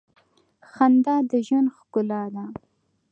• خندا د ژوند ښکلا ده.